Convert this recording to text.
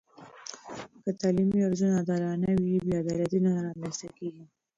که تعلیمي ارزونه عادلانه وي، بې عدالتي نه رامنځته کېږي.